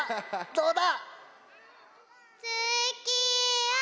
どうだ？